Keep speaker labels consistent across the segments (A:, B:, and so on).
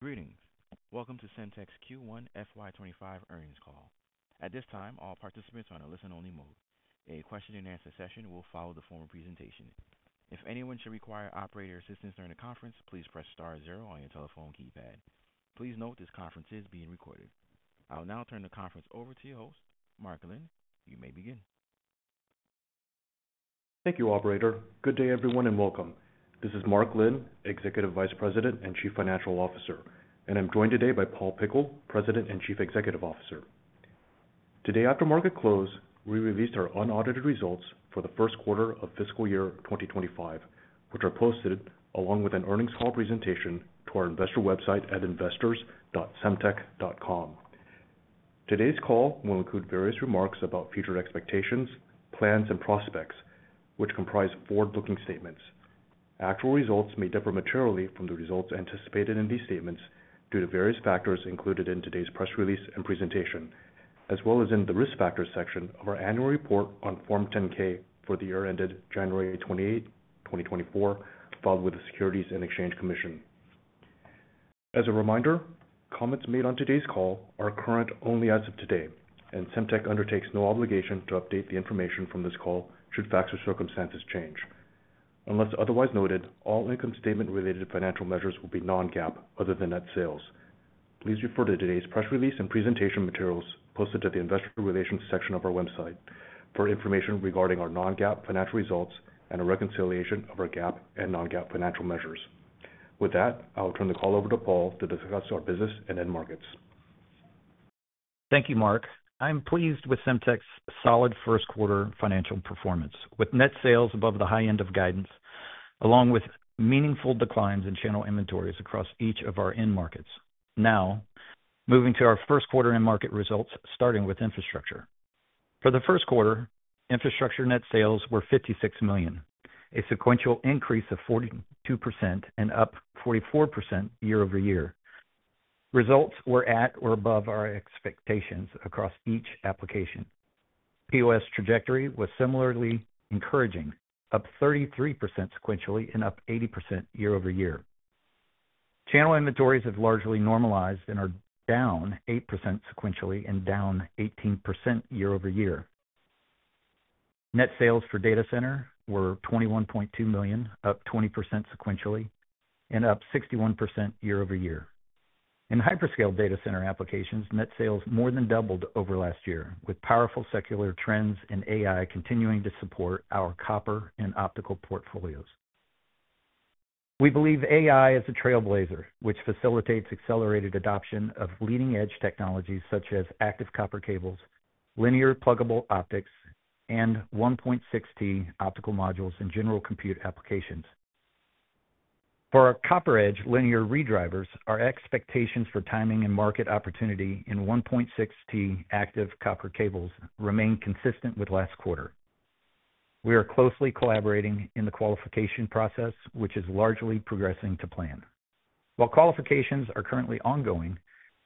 A: Greetings! Welcome to Semtech's Q1 FY25 Earnings Call. At this time, all participants are on a listen-only mode. A question-and-answer session will follow the formal presentation. If anyone should require operator assistance during the conference, please press star zero on your telephone keypad. Please note this conference is being recorded. I will now turn the conference over to your host, Mark Lin. You may begin.
B: Thank you, operator. Good day, everyone, and welcome. This is Mark Lin, Executive Vice President and Chief Financial Officer, and I'm joined today by Paul Pickle, President and Chief Executive Officer. Today, after market close, we released our unaudited results for the first quarter of fiscal year 2025, which are posted along with an earnings call presentation to our investor website at investors.semtech.com. Today's call will include various remarks about future expectations, plans, and prospects, which comprise forward-looking statements. Actual results may differ materially from the results anticipated in these statements due to various factors included in today's press release and presentation, as well as in the Risk Factors section of our annual report on Form 10-K for the year ended January 28, 2024, filed with the Securities and Exchange Commission. As a reminder, comments made on today's call are current only as of today, and Semtech undertakes no obligation to update the information from this call should facts or circumstances change. Unless otherwise noted, all income statement-related financial measures will be non-GAAP, other than net sales. Please refer to today's press release and presentation materials posted to the investor relations section of our website for information regarding our non-GAAP financial results and a reconciliation of our GAAP and non-GAAP financial measures. With that, I'll turn the call over to Paul to discuss our business and end markets.
C: Thank you, Mark. I'm pleased with Semtech's solid first quarter financial performance, with net sales above the high end of guidance, along with meaningful declines in channel inventories across each of our end markets. Now, moving to our first quarter end market results, starting with infrastructure. For the first quarter, infrastructure net sales were $56 million, a sequential increase of 42% and up 44% year-over-year. Results were at or above our expectations across each application. POS trajectory was similarly encouraging, up 33% sequentially and up 80% year-over-year. Channel inventories have largely normalized and are down 8% sequentially and down 18% year-over-year. Net sales for data center were $21.2 million, up 20% sequentially and up 61% year-over-year. In hyperscale data center applications, net sales more than doubled over last year, with powerful secular trends and AI continuing to support our copper and optical portfolios. We believe AI is a trailblazer, which facilitates accelerated adoption of leading-edge technologies such as active copper cables, linear pluggable optics, and 1.6T optical modules in general compute applications. For our CopperEdge linear redrivers, our expectations for timing and market opportunity in 1.6T active copper cables remain consistent with last quarter. We are closely collaborating in the qualification process, which is largely progressing to plan. While qualifications are currently ongoing,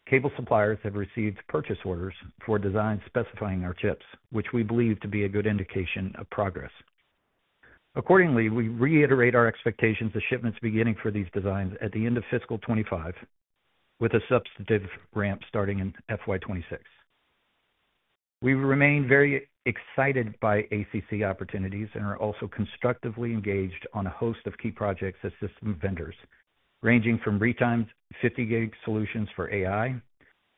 C: cable suppliers have received purchase orders for designs specifying our chips, which we believe to be a good indication of progress. Accordingly, we reiterate our expectations of shipments beginning for these designs at the end of fiscal 2025, with a substantive ramp starting in FY 2026. We remain very excited by ACC opportunities and are also constructively engaged on a host of key projects as system vendors, ranging from retimed 50-gig solutions for AI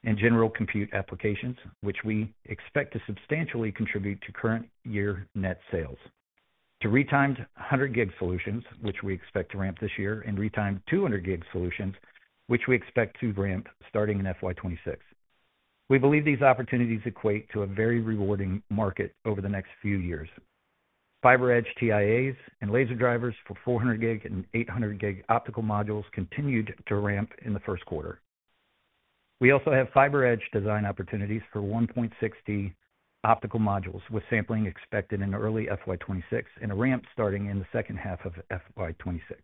C: and general compute applications, which we expect to substantially contribute to current year net sales, to retimed 100-gig solutions, which we expect to ramp this year, and retimed 200-gig solutions, which we expect to ramp starting in FY 2026. We believe these opportunities equate to a very rewarding market over the next few years. FiberEdge TIAs and laser drivers for 400G and 800G optical modules continued to ramp in the first quarter. We also have FiberEdge design opportunities for 1.6T optical modules, with sampling expected in early FY 2026 and a ramp starting in the second half of FY 2026.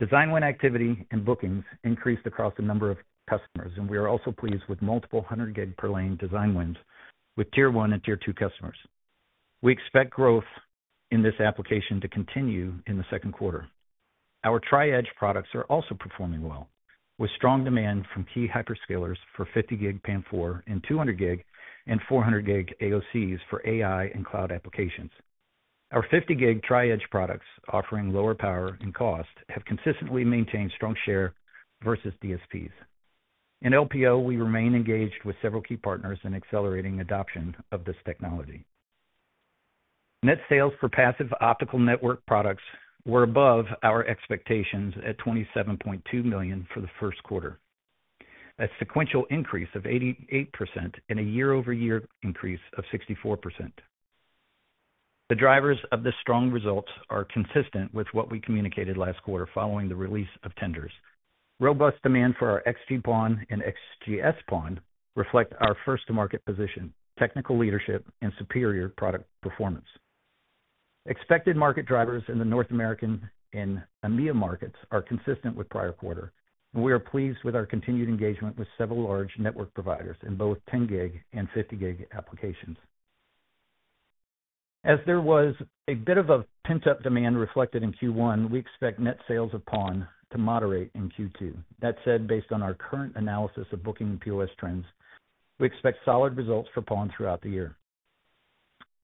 C: Design win activity and bookings increased across a number of customers, and we are also pleased with multiple 100-gig per lane design wins with tier one and tier two customers. We expect growth in this application to continue in the second quarter. Our Tri-Edge products are also performing well, with strong demand from key hyperscalers for 50-gig PAM4 and 200-gig and 400G AOCs for AI and cloud applications. Our 50-gig Tri-Edge products, offering lower power and cost, have consistently maintained strong share versus DSPs. In LPO, we remain engaged with several key partners in accelerating adoption of this technology. Net sales for passive optical network products were above our expectations at $27.2 million for the first quarter. That's sequential increase of 88% and a year-over-year increase of 64%. The drivers of the strong results are consistent with what we communicated last quarter following the release of tenders. Robust demand for our XG-PON and XGS-PON reflect our first-to-market position, technical leadership, and superior product performance. Expected market drivers in the North American and EMEA markets are consistent with prior quarter, and we are pleased with our continued engagement with several large network providers in both 10-gig and 50 gig applications.... As there was a bit of a pent-up demand reflected in Q1, we expect net sales of PON to moderate in Q2. That said, based on our current analysis of booking POS trends, we expect solid results for PON throughout the year.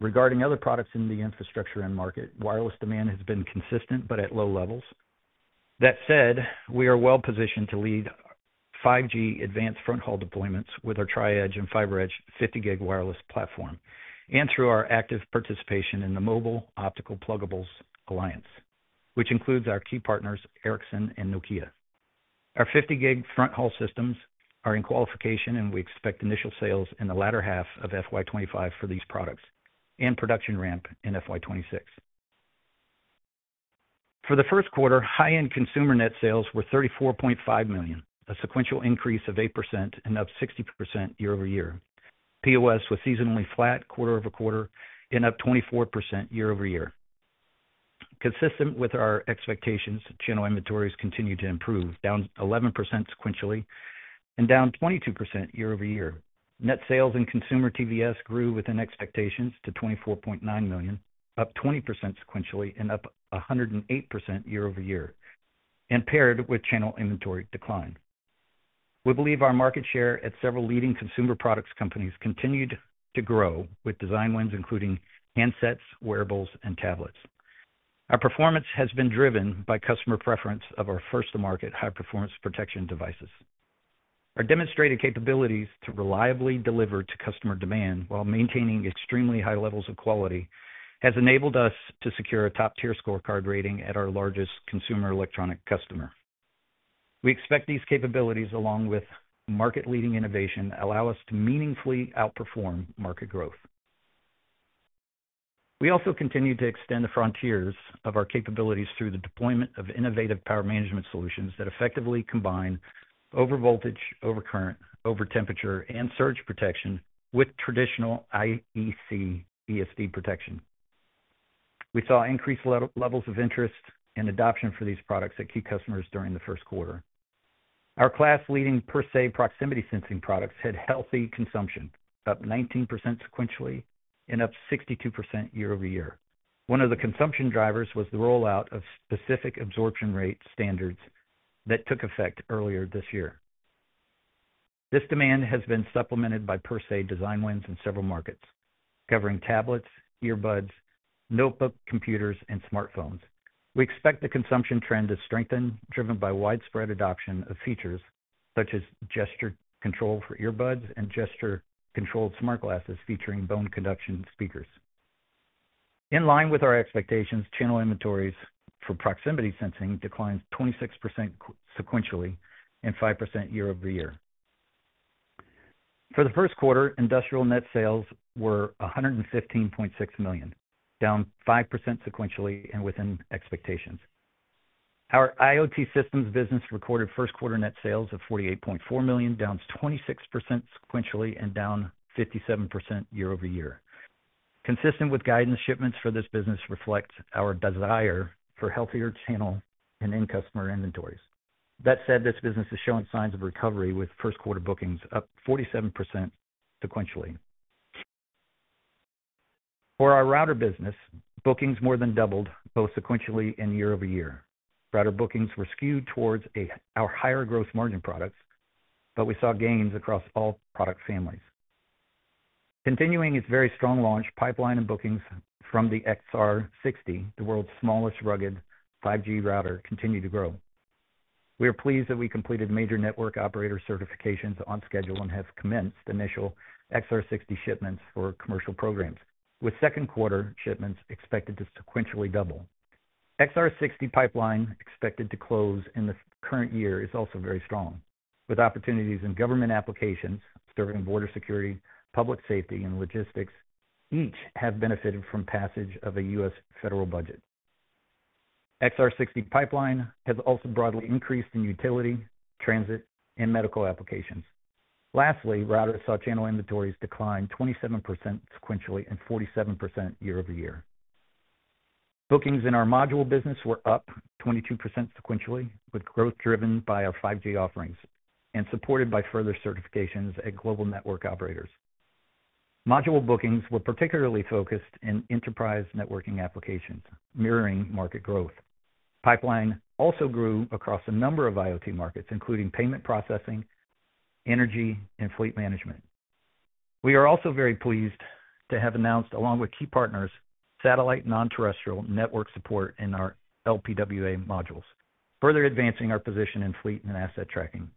C: Regarding other products in the infrastructure end market, wireless demand has been consistent, but at low levels. That said, we are well-positioned to lead 5G Advanced fronthaul deployments with our Tri-Edge and FiberEdge 50-gig wireless platform, and through our active participation in the Mobile Optical Pluggables Alliance, which includes our key partners, Ericsson and Nokia. Our 50-gig fronthaul systems are in qualification, and we expect initial sales in the latter half of FY 2025 for these products and production ramp in FY 2026. For the first quarter, high-end consumer net sales were $34.5 million, a sequential increase of 8% and up 60% year-over-year. POS was seasonally flat quarter-over-quarter and up 24% year-over-year. Consistent with our expectations, channel inventories continued to improve, down 11% sequentially and down 22% year-over-year. Net sales and consumer TVS grew within expectations to $24.9 million, up 20% sequentially and up 108% year-over-year, and paired with channel inventory decline. We believe our market share at several leading consumer products companies continued to grow, with design wins, including handsets, wearables, and tablets. Our performance has been driven by customer preference of our first-to-market high-performance protection devices. Our demonstrated capabilities to reliably deliver to customer demand while maintaining extremely high levels of quality, has enabled us to secure a top-tier scorecard rating at our largest consumer electronic customer. We expect these capabilities, along with market-leading innovation, allow us to meaningfully outperform market growth. We also continue to extend the frontiers of our capabilities through the deployment of innovative power management solutions that effectively combine overvoltage, overcurrent, over-temperature, and surge protection with traditional IEC ESD protection. We saw increased levels of interest and adoption for these products at key customers during the first quarter. Our class-leading PerSe proximity sensing products had healthy consumption, up 19% sequentially and up 62% year-over-year. One of the consumption drivers was the rollout of specific absorption rate standards that took effect earlier this year. This demand has been supplemented by PerSe design wins in several markets, covering tablets, earbuds, notebook computers, and smartphones. We expect the consumption trend to strengthen, driven by widespread adoption of features such as gesture control for earbuds and gesture-controlled smart glasses, featuring bone conduction speakers. In line with our expectations, channel inventories for proximity sensing declined 26% sequentially and 5% year-over-year. For the first quarter, industrial net sales were $115.6 million, down 5% sequentially and within expectations. Our IoT systems business recorded first quarter net sales of $48.4 million, down 26% sequentially and down 57% year-over-year. Consistent with guidance, shipments for this business reflect our desire for healthier channel and end customer inventories. That said, this business is showing signs of recovery, with first quarter bookings up 47% sequentially. For our router business, bookings more than doubled, both sequentially and year-over-year. Router bookings were skewed towards our higher gross margin products, but we saw gains across all product families. Continuing its very strong launch, pipeline and bookings from the XR60, the world's smallest rugged 5G router, continued to grow. We are pleased that we completed major network operator certifications on schedule and have commenced initial XR60 shipments for commercial programs, with second quarter shipments expected to sequentially double. XR60 pipeline, expected to close in the current year, is also very strong, with opportunities in government applications serving border security, public safety, and logistics, each have benefited from passage of a U.S. federal budget. XR60 pipeline has also broadly increased in utility, transit, and medical applications. Lastly, routers saw channel inventories decline 27% sequentially and 47% year-over-year. Bookings in our module business were up 22% sequentially, with growth driven by our 5G offerings and supported by further certifications at global network operators. Module bookings were particularly focused in enterprise networking applications, mirroring market growth. Pipeline also grew across a number of IoT markets, including payment processing, energy, and fleet management. We are also very pleased to have announced, along with key partners, satellite non-terrestrial network support in our LPWA modules, further advancing our position in fleet and asset tracking.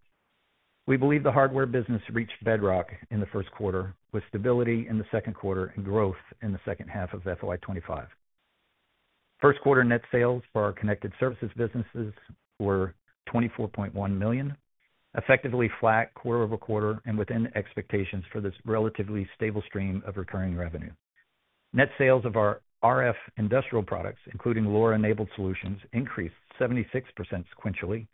C: We believe the hardware business reached bedrock in the first quarter, with stability in the second quarter and growth in the second half of FY 2025. First quarter net sales for our connected services businesses were $24.1 million, effectively flat quarter-over-quarter and within expectations for this relatively stable stream of recurring revenue. Net sales of our RF industrial products, including LoRa-enabled solutions, increased 76% sequentially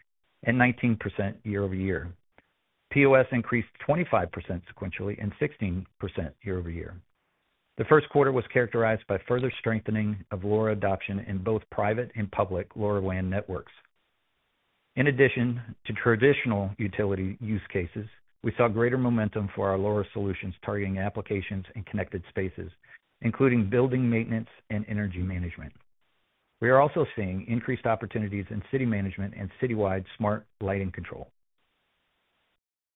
C: and 19% year-over-year. POS increased 25% sequentially and 16% year-over-year. The first quarter was characterized by further strengthening of LoRa adoption in both private and public LoRaWAN networks.... In addition to traditional utility use cases, we saw greater momentum for our LoRa solutions targeting applications and connected spaces, including building maintenance and energy management. We are also seeing increased opportunities in city management and citywide smart lighting control.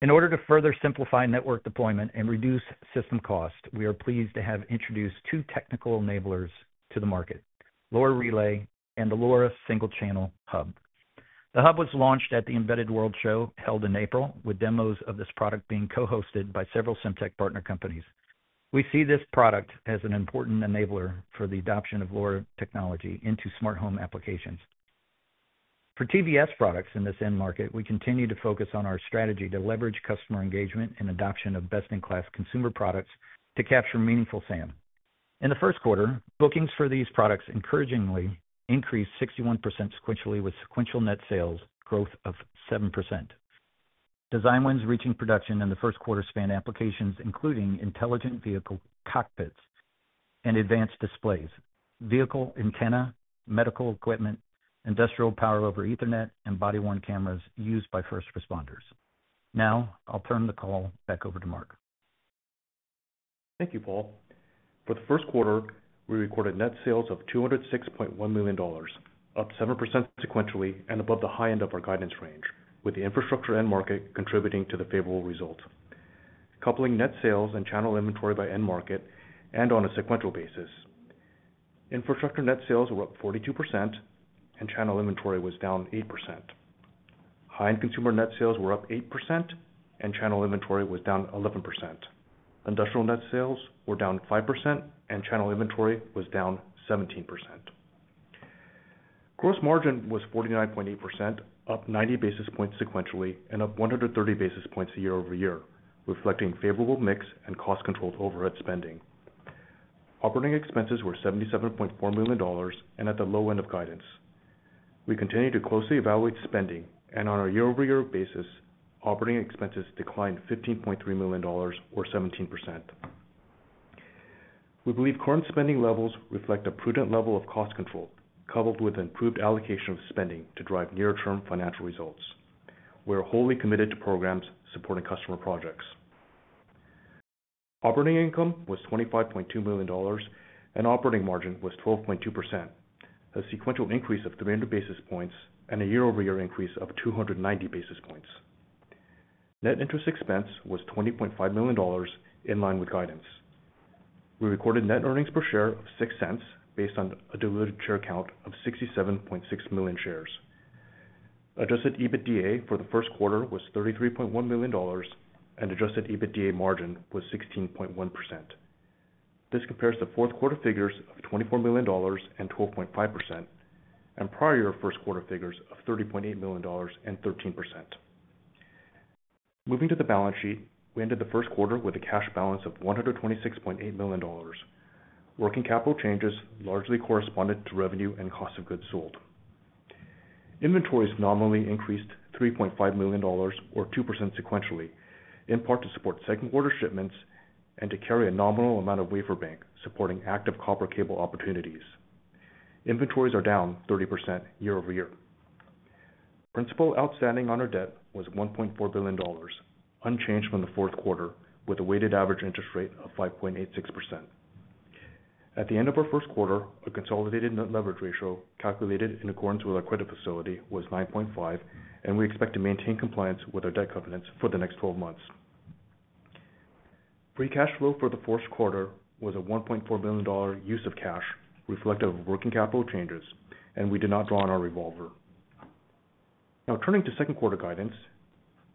C: In order to further simplify network deployment and reduce system cost, we are pleased to have introduced two technical enablers to the market, LoRa Relay and the LoRa Single Channel Hub. The hub was launched at the Embedded World Show, held in April, with demos of this product being co-hosted by several Semtech partner companies. We see this product as an important enabler for the adoption of LoRa technology into smart home applications. For TVS products in this end market, we continue to focus on our strategy to leverage customer engagement and adoption of best-in-class consumer products to capture meaningful SAM. In the first quarter, bookings for these products encouragingly increased 61% sequentially, with sequential net sales growth of 7%. Design wins reaching production in the first quarter span applications, including intelligent vehicle cockpits and advanced displays, vehicle antenna, medical equipment, industrial Power over Ethernet, and body-worn cameras used by first responders. Now I'll turn the call back over to Mark.
B: Thank you, Paul. For the first quarter, we recorded net sales of $206.1 million, up 7% sequentially and above the high end of our guidance range, with the infrastructure end market contributing to the favorable result. Coupling net sales and channel inventory by end market and on a sequential basis, infrastructure net sales were up 42% and channel inventory was down 8%. High-end consumer net sales were up 8% and channel inventory was down 11%. Industrial net sales were down 5% and channel inventory was down 17%. Gross margin was 49.8%, up 90 basis points sequentially and up 130 basis points year-over-year, reflecting favorable mix and cost-controlled overhead spending. Operating expenses were $77.4 million and at the low end of guidance. We continue to closely evaluate spending, and on a year-over-year basis, operating expenses declined 15.3 million or 17%. We believe current spending levels reflect a prudent level of cost control, coupled with improved allocation of spending to drive near-term financial results. We are wholly committed to programs supporting customer projects. Operating income was $25.2 million, and operating margin was 12.2%, a sequential increase of 300 basis points and a year-over-year increase of 290 basis points. Net interest expense was $20.5 million, in line with guidance. We recorded net earnings per share of $0.06, based on a diluted share count of 67.6 million shares. Adjusted EBITDA for the first quarter was $33.1 million, and adjusted EBITDA margin was 16.1%. This compares to fourth quarter figures of $24 million and 12.5%, and prior year first quarter figures of $30.8 million and 13%. Moving to the balance sheet, we ended the first quarter with a cash balance of $126.8 million. Working capital changes largely corresponded to revenue and cost of goods sold. Inventories nominally increased $3.5 million or 2% sequentially, in part to support second quarter shipments and to carry a nominal amount of wafer bank supporting active copper cable opportunities. Inventories are down 30% year-over-year. Principal outstanding on our debt was $1.4 billion, unchanged from the fourth quarter, with a weighted average interest rate of 5.86%. At the end of our first quarter, our consolidated net leverage ratio, calculated in accordance with our credit facility, was 9.5, and we expect to maintain compliance with our debt covenants for the next 12 months. Free cash flow for the first quarter was a $1.4 billion use of cash, reflective of working capital changes, and we did not draw on our revolver. Now, turning to second quarter guidance,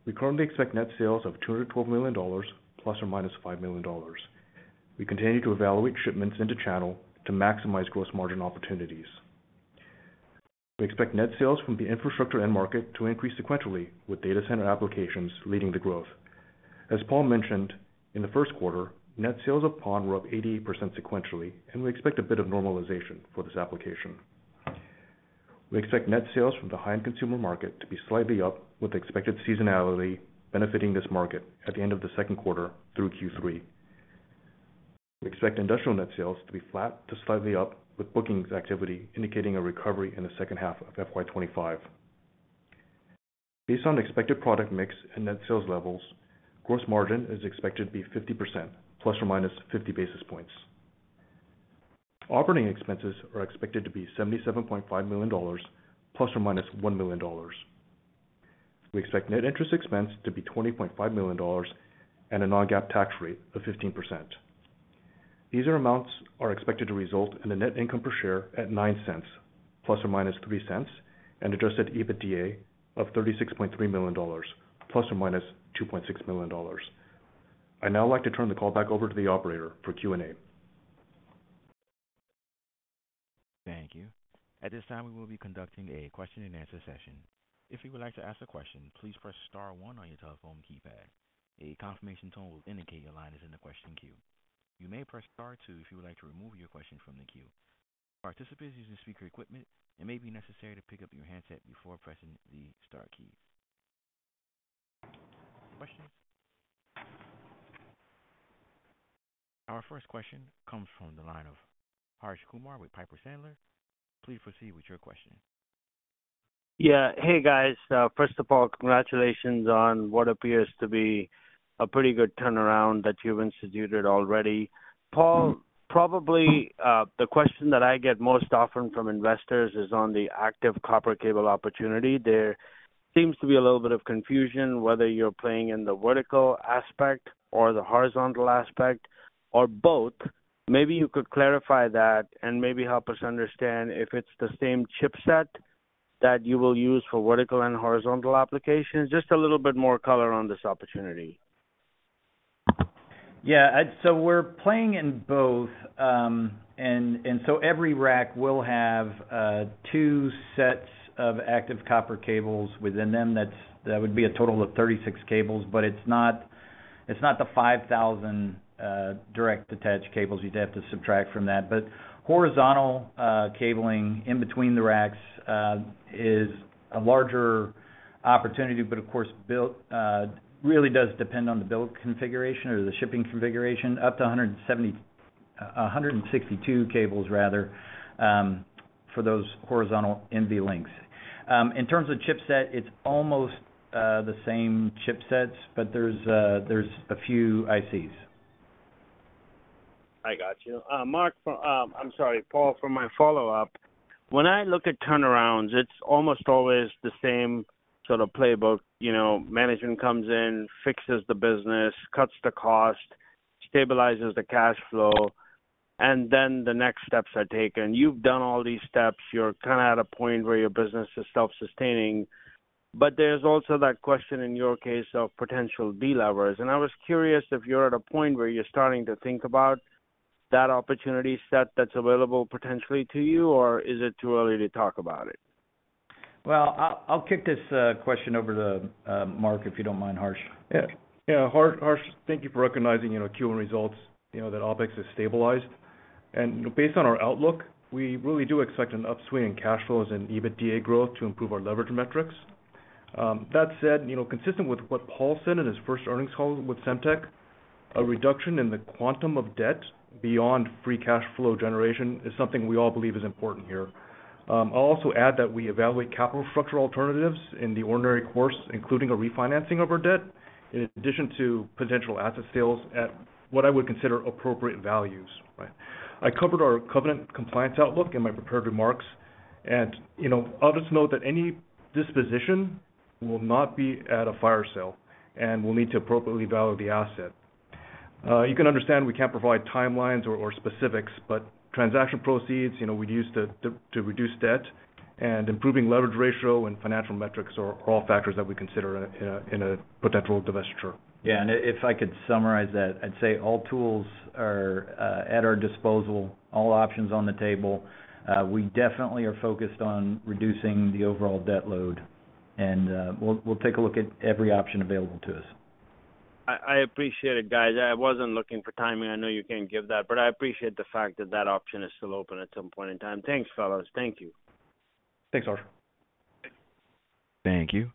B: we currently expect net sales of $212 million ±$5 million. We continue to evaluate shipments into channel to maximize gross margin opportunities. We expect net sales from the infrastructure end market to increase sequentially, with data center applications leading the growth. As Paul mentioned, in the first quarter, net sales of PON were up 88% sequentially, and we expect a bit of normalization for this application. We expect net sales from the high-end consumer market to be slightly up, with expected seasonality benefiting this market at the end of the second quarter through Q3. We expect industrial net sales to be flat to slightly up, with bookings activity indicating a recovery in the second half of FY 2025. Based on expected product mix and net sales levels, gross margin is expected to be 50%, ±50 basis points. Operating expenses are expected to be $77.5 million, ±$1 million. We expect net interest expense to be $20.5 million and a non-GAAP tax rate of 15%. These amounts are expected to result in a net income per share at $0.09, ±$0.03, and adjusted EBITDA of $36.3 million, ±$2.6 million. I'd now like to turn the call back over to the operator for Q&A.
A: Thank you. At this time, we will be conducting a question-and-answer session. If you would like to ask a question, please press star one on your telephone keypad. A confirmation tone will indicate your line is in the question queue. You may press Star two if you would like to remove your question from the queue. Participants using speaker equipment, it may be necessary to pick up your handset before pressing the star key. Questions?... Our first question comes from the line of Harsh Kumar with Piper Sandler. Please proceed with your question.
D: Yeah. Hey, guys. First of all, congratulations on what appears to be a pretty good turnaround that you've instituted already. Paul, probably, the question that I get most often from investors is on the active copper cable opportunity. There seems to be a little bit of confusion whether you're playing in the vertical aspect or the horizontal aspect, or both. Maybe you could clarify that and maybe help us understand if it's the same chipset that you will use for vertical and horizontal applications. Just a little bit more color on this opportunity.
C: Yeah, so we're playing in both. And so every rack will have two sets of active copper cables within them. That would be a total of 36 cables, but it's not the 5,000 direct attach cables you'd have to subtract from that. But horizontal cabling in between the racks is a larger opportunity, but of course, really does depend on the build configuration or the shipping configuration, up to 170, 162 cables, rather, for those horizontal NVLinks. In terms of chipset, it's almost the same chipsets, but there's a few ICs.
D: I got you. Mark, from, I'm sorry, Paul, for my follow-up. When I look at turnarounds, it's almost always the same sort of playbook. You know, management comes in, fixes the business, cuts the cost, stabilizes the cash flow, and then the next steps are taken. You've done all these steps. You're kind of at a point where your business is self-sustaining, but there's also that question in your case of potential delevers. And I was curious if you're at a point where you're starting to think about that opportunity set that's available potentially to you, or is it too early to talk about it?
C: Well, I'll kick this question over to Mark, if you don't mind, Harsh.
B: Yeah. Yeah, Harsh, thank you for recognizing, you know, Q1 results, you know, that OpEx has stabilized. Based on our outlook, we really do expect an upswing in cash flows and EBITDA growth to improve our leverage metrics. That said, you know, consistent with what Paul said in his first earnings call with Semtech, a reduction in the quantum of debt beyond free cash flow generation is something we all believe is important here. I'll also add that we evaluate capital structure alternatives in the ordinary course, including a refinancing of our debt, in addition to potential asset sales at what I would consider appropriate values, right? I covered our covenant compliance outlook in my prepared remarks. And, you know, others know that any disposition will not be at a fire sale and will need to appropriately value the asset. You can understand we can't provide timelines or specifics, but transaction proceeds, you know, we'd use to reduce debt and improving leverage ratio and financial metrics are all factors that we consider in a potential divestiture.
C: Yeah, and if I could summarize that, I'd say all tools are at our disposal, all options on the table. We definitely are focused on reducing the overall debt load, and we'll take a look at every option available to us.
D: I appreciate it, guys. I wasn't looking for timing. I know you can't give that, but I appreciate the fact that that option is still open at some point in time. Thanks, fellows. Thank you.
B: Thanks, Harsh.
A: Thank you.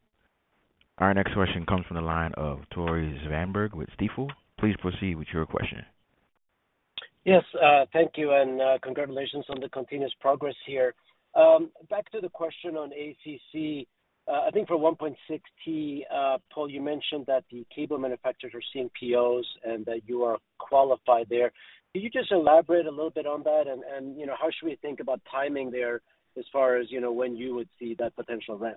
A: Our next question comes from the line of Tore Svanberg with Stifel. Please proceed with your question.
E: Yes, thank you, and congratulations on the continuous progress here. Back to the question on ACC, I think for 1.6, Paul, you mentioned that the cable manufacturers are seeing POs and that you are qualified there. Could you just elaborate a little bit on that? And, you know, how should we think about timing there as far as, you know, when you would see that potential ramp?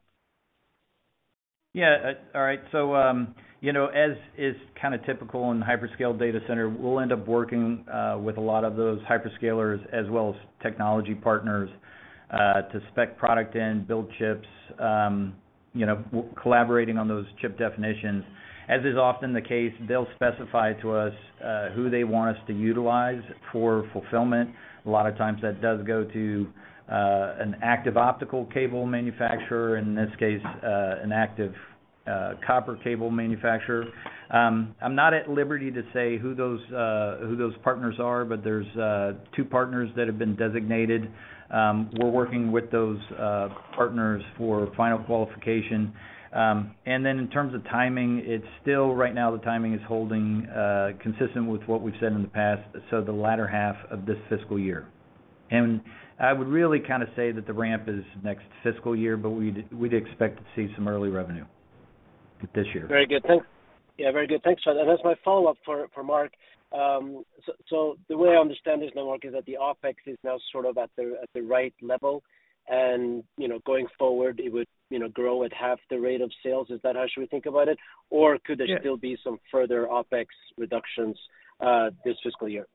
C: Yeah, all right. So, you know, as is kind of typical in hyperscale data center, we'll end up working with a lot of those hyperscalers, as well as technology partners, to spec product in, build chips, you know, collaborating on those chip definitions. As is often the case, they'll specify to us who they want us to utilize for fulfillment. A lot of times that does go to an active optical cable manufacturer, in this case, an active copper cable manufacturer. I'm not at liberty to say who those partners are, but there's two partners that have been designated. We're working with those partners for final qualification. And then in terms of timing, it's still right now, the timing is holding, consistent with what we've said in the past, so the latter half of this fiscal year. And I would really kind of say that the ramp is next fiscal year, but we'd, we'd expect to see some early revenue this year.
E: Very good. Yeah, very good. Thanks for that. And as my follow-up for Mark, so the way I understand this now, Mark, is that the OpEx is now sort of at the right level and, you know, going forward, it would, you know, grow at half the rate of sales. Is that how should we think about it? Or could there-
B: Yeah...
E: still be some further OpEx reductions, this fiscal year?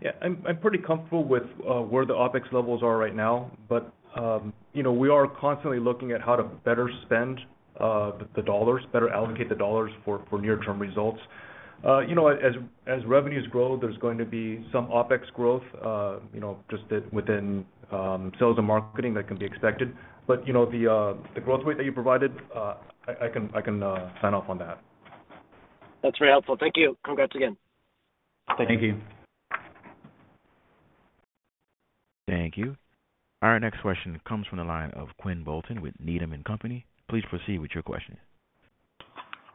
B: Yeah, I'm pretty comfortable with where the OpEx levels are right now, but, you know, we are constantly looking at how to better spend the dollars, better allocate the dollars for near-term results. You know, as revenues grow, there's going to be some OpEx growth, you know, just within sales and marketing that can be expected. But, you know, the growth rate that you provided, I can sign off on that.
E: That's very helpful. Thank you. Congrats again.
B: Thank you....
A: Thank you. Our next question comes from the line of Quinn Bolton with Needham & Company. Please proceed with your question.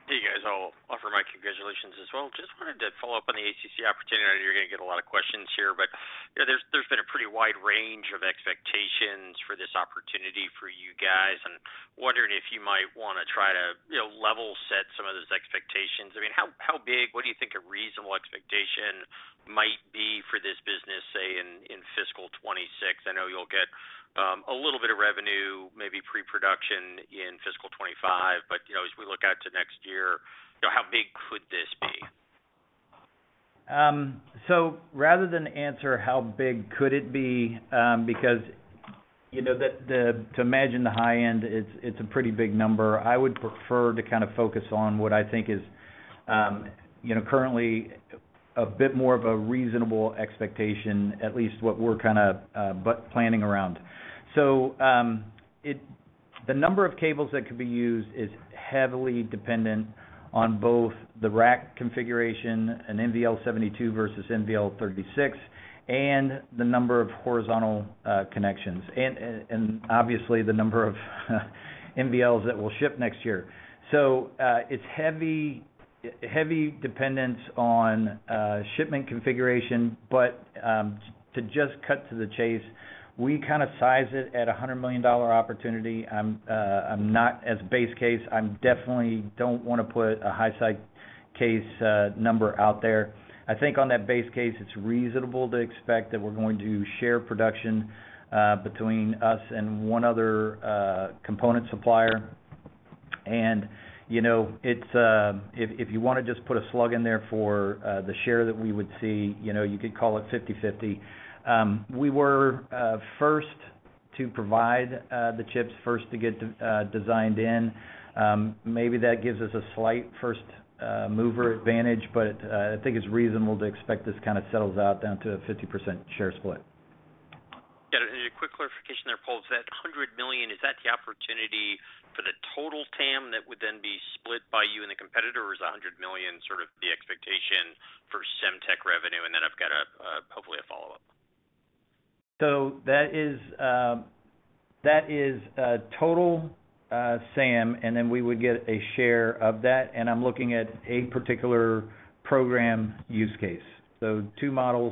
F: Hey, guys. I'll offer my congratulations as well. Just wanted to follow up on the ACC opportunity. I know you're going to get a lot of questions here, but, you know, there's been a pretty wide range of expectations for this opportunity for you guys, and wondering if you might want to try to, you know, level set some of those expectations. I mean, how big, what do you think a reasonable expectation might be for this business, say, in fiscal 2026? I know you'll get a little bit of revenue, maybe pre-production in fiscal 2025, but, you know, as we look out to next year, you know, how big could this be?
C: So rather than answer how big could it be, because, you know, to imagine the high end, it's a pretty big number. I would prefer to kind of focus on what I think is, you know, currently a bit more of a reasonable expectation, at least what we're kind of but planning around. So, the number of cables that could be used is heavily dependent on both the rack configuration, an NVL72 versus NVL36, and the number of horizontal connections, and obviously, the number of NVLs that we'll ship next year. So, it's heavy dependence on shipment configuration, but, to just cut to the chase, we kind of size it at a $100 million opportunity. I'm not as base case. I definitely don't want to put a high-side case number out there. I think on that base case, it's reasonable to expect that we're going to share production between us and one other component supplier. And, you know, it's, if you want to just put a slug in there for the share that we would see, you know, you could call it 50/50. We were first to provide the chips, first to get designed in. Maybe that gives us a slight first mover advantage, but, I think it's reasonable to expect this kind of settles out down to a 50% share split.
F: Yeah, and a quick clarification there, Paul. So that $100 million, is that the opportunity for the total TAM that would then be split by you and the competitor, or is $100 million sort of the expectation for Semtech revenue? And then I've got a, hopefully, a follow-up.
C: So that is, that is a total, SAM, and then we would get a share of that, and I'm looking at a particular program use case. So two models,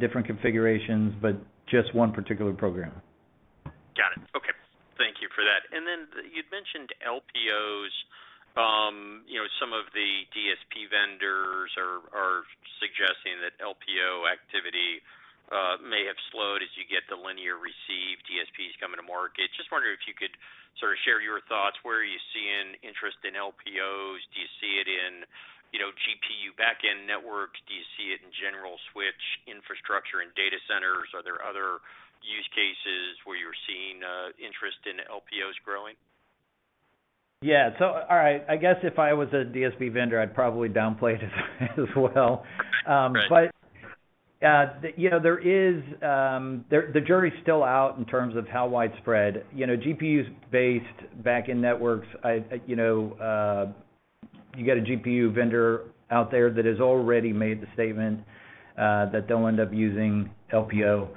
C: different configurations, but just one particular program.
F: Got it. Okay. Thank you for that. And then you'd mentioned LPOs. You know, some of the DSP vendors are suggesting that LPO activity may have slowed as you get the linear receive DSPs coming to market. Just wondering if you could sort of share your thoughts. Where are you seeing interest in LPOs? Do you see it in, you know, GPU backend networks? Do you see it in general switch infrastructure and data centers? Are there other use cases where you're seeing interest in LPOs growing?
C: Yeah. So all right, I guess if I was a DSP vendor, I'd probably downplay it as well.
F: Right.
C: But, you know, there is the jury's still out in terms of how widespread, you know, GPUs-based backend networks. You know, you got a GPU vendor out there that has already made the statement that they'll end up using LPO.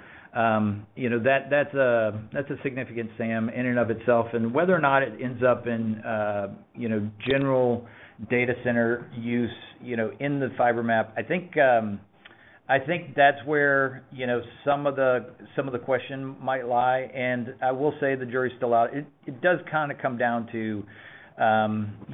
C: You know, that, that's a significant SAM in and of itself. And whether or not it ends up in, you know, general data center use, you know, in the fiber map, I think that's where, you know, some of the question might lie, and I will say the jury's still out. It does kind of come down to,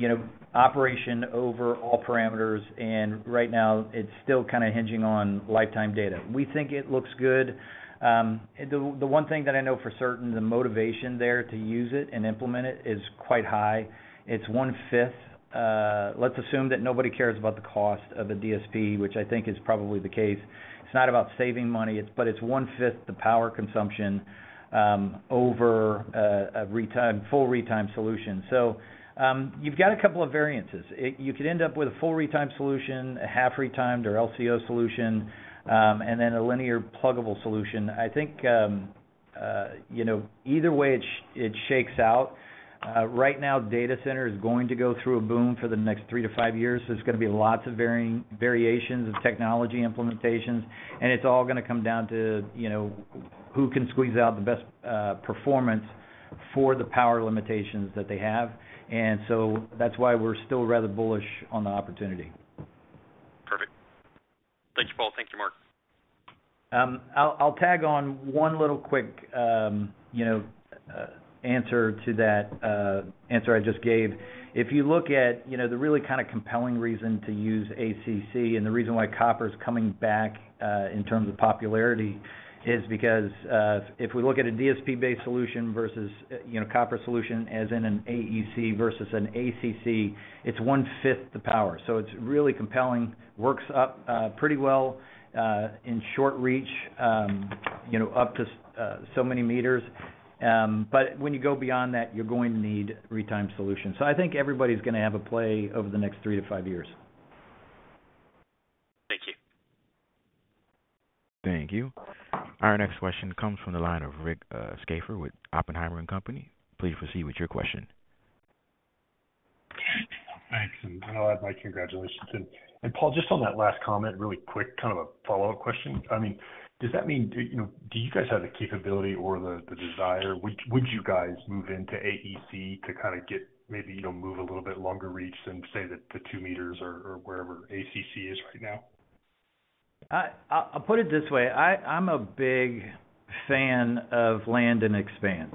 C: you know, operation over all parameters, and right now, it's still kind of hinging on lifetime data. We think it looks good. The one thing that I know for certain, the motivation there to use it and implement it is quite high. It's 1/5. Let's assume that nobody cares about the cost of a DSP, which I think is probably the case. It's not about saving money, it's but it's 1/5 the power consumption over a retimer, full retimer solution. So, you've got a couple of variances. You could end up with a full retimer solution, a half retimer or LPO solution, and then a linear pluggable solution. I think, you know, either way, it shakes out. Right now, data center is going to go through a boom for the next three to five years. There's going to be lots of variations of technology implementations, and it's all gonna come down to, you know, who can squeeze out the best performance for the power limitations that they have. And so that's why we're still rather bullish on the opportunity.
F: Perfect. Thank you, Paul. Thank you, Mark.
C: I'll tag on one little quick answer to that answer I just gave. If you look at, you know, the really kind of compelling reason to use ACC and the reason why copper is coming back in terms of popularity, is because if we look at a DSP-based solution versus copper solution, as in an AEC versus an ACC, it's one-fifth the power. So it's really compelling, works up pretty well in short reach up to so many meters. But when you go beyond that, you're going to need retime solutions. So I think everybody's gonna have a play over the next three to five years.
F: Thank you.
A: Thank you. Our next question comes from the line of Rick Schafer with Oppenheimer and Company. Please proceed with your question....
G: Thanks, and I'll add my congratulations. And Paul, just on that last comment, really quick, kind of a follow-up question. I mean, does that mean, you know, do you guys have the capability or the desire? Would you guys move into AEC to kind of get maybe, you know, move a little bit longer reach than, say, the two meters or wherever ACC is right now?
C: I'll put it this way, I'm a big fan of land and expand.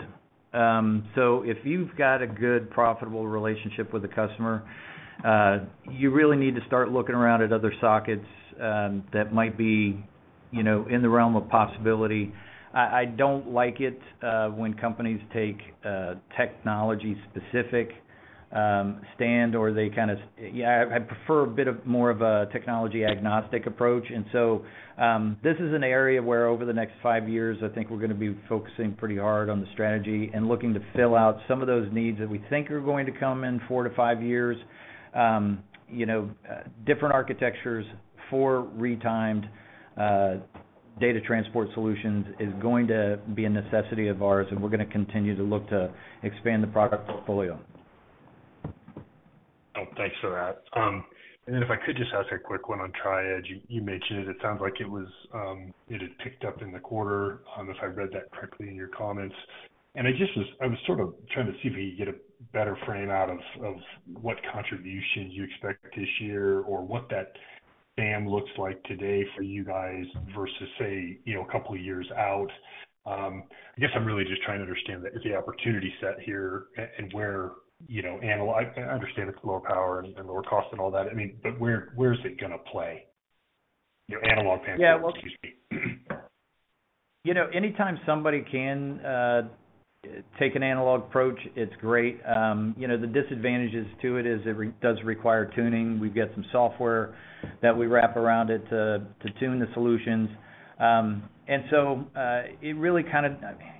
C: So if you've got a good, profitable relationship with a customer, you really need to start looking around at other sockets that might be, you know, in the realm of possibility. I don't like it when companies take a technology-specific stand. I prefer a bit more of a technology-agnostic approach. So this is an area where over the next five years, I think we're gonna be focusing pretty hard on the strategy and looking to fill out some of those needs that we think are going to come in four to five years. You know, different architectures for retimed data transport solutions is going to be a necessity of ours, and we're gonna continue to look to expand the product portfolio.
G: Oh, thanks for that. And then if I could just ask a quick one on Tri-Edge. You mentioned it sounds like it had picked up in the quarter, if I read that correctly in your comments. And I was sort of trying to see if we could get a better frame out of, of what contribution you expect this year or what that TAM looks like today for you guys versus, say, you know, a couple of years out. I guess I'm really just trying to understand the opportunity set here and where, you know, analog... I understand it's lower power and lower cost and all that. I mean, but where, where's it gonna play? You know, analog bandwidth, excuse me.
C: You know, anytime somebody can take an analog approach, it's great. You know, the disadvantages to it is it does require tuning. We've got some software that we wrap around it to tune the solutions. And so,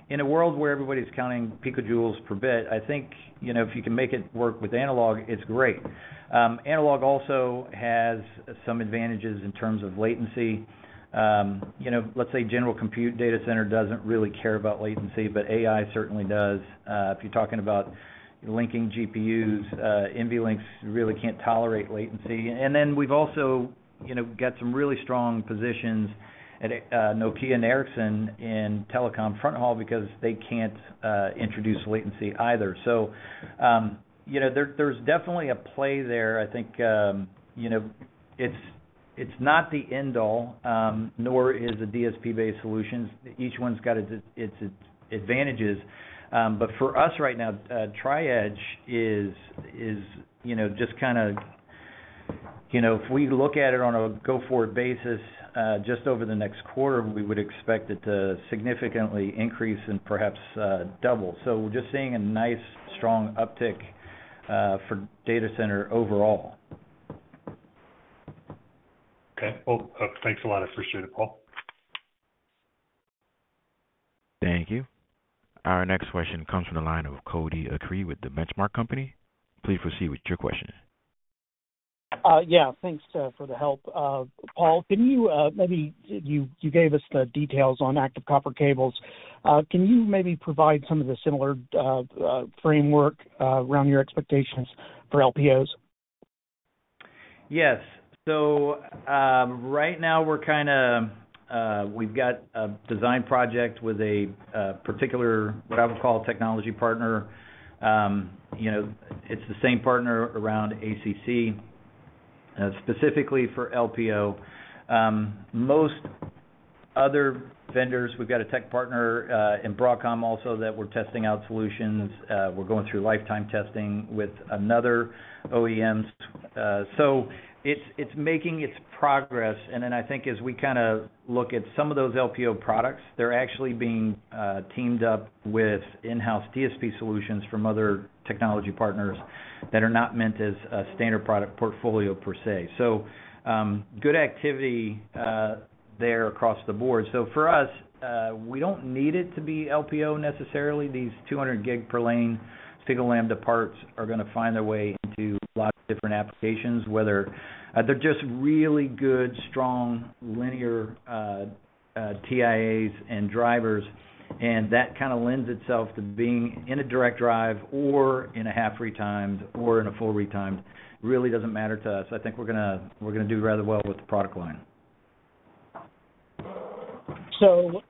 C: in a world where everybody's counting picojoules per bit, I think, you know, if you can make it work with analog, it's great. Analog also has some advantages in terms of latency. You know, let's say general compute data center doesn't really care about latency, but AI certainly does. If you're talking about linking GPUs, NVLinks really can't tolerate latency. And then we've also, you know, got some really strong positions at Nokia and Ericsson in telecom fronthaul because they can't introduce latency either. So, you know, there, there's definitely a play there. I think, you know, it's, it's not the end all, nor is the DSP-based solutions. Each one's got its, its advantages. But for us right now, Tri-Edge is, you know, just kind of... You know, if we look at it on a go-forward basis, just over the next quarter, we would expect it to significantly increase and perhaps, double. So we're just seeing a nice, strong uptick, for data center overall.
G: Okay. Well, thanks a lot. I appreciate it, Paul.
A: Thank you. Our next question comes from the line of Cody Acree with The Benchmark Company. Please proceed with your question.
H: Yeah, thanks for the help. Paul, can you maybe you gave us the details on active copper cables. Can you maybe provide some of the similar framework around your expectations for LPOs?
C: Yes. So, right now we're kind of, we've got a design project with a particular, what I would call, technology partner. You know, it's the same partner around ACC, specifically for LPO. Most other vendors, we've got a tech partner, in Broadcom also, that we're testing out solutions. We're going through lifetime testing with another OEMs. So it's, it's making its progress. And then I think as we kind of look at some of those LPO products, they're actually being, teamed up with in-house DSP solutions from other technology partners that are not meant as a standard product portfolio per se. So, good activity, there across the board. So for us, we don't need it to be LPO necessarily. These 200 gig per lane single lambda parts are gonna find their way into lots of different applications, whether... They're just really good, strong, linear TIAs and drivers, and that kind of lends itself to being in a direct drive or in a half retimed or in a full retimed. Really doesn't matter to us. I think we're gonna, we're gonna do rather well with the product line.